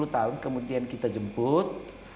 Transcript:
sepuluh tahun kemudian kita jemput